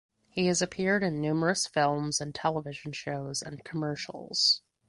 He has appeared in numerous films and television shows and commercials.